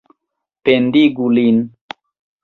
Pendigu lin!